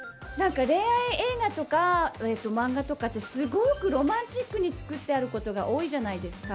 恋愛映画とか漫画とかってロマンチックに作ってあることが多いじゃないですか。